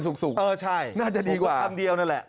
กินสุกเออใช่น่าจะดีกว่าอีกกว่าคำเดียวนั่นแหละ